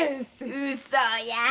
うそや。